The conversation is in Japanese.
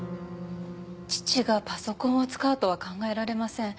父がパソコンを使うとは考えられません。